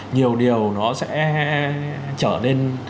nhiều điều nó sẽ trở nên